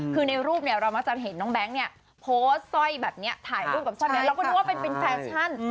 คือในรูปเนี่ยเรามักจะเห็นน้องแบงค์เนี่ยโพสต์สร้อยแบบนี้ถ่ายรูปกับสร้อยนี้เราก็นึกว่าเป็นแฟชั่น